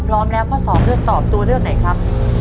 พร้อมแล้วพ่อสองเลือกตอบตัวเลือกไหนครับ